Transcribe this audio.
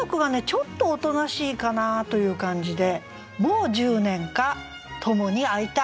ちょっとおとなしいかなという感じで「もう十年か友に会いたい」。